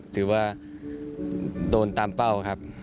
ถือว่าโดนตามเป้าครับ